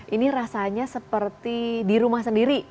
ini rasanya seperti di rumah sendiri